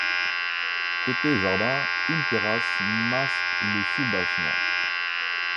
Côté jardin, une terrasse masque le soubassement.